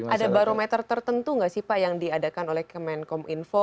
ada barometer tertentu nggak sih pak yang diadakan oleh kemenkom info